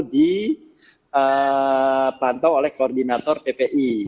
jadi ada koordinator ppi